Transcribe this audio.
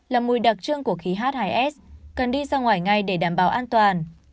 là mùi đặc trưng của khí h hai s cần đi ra ngoài ngay để đảm bảo an toàn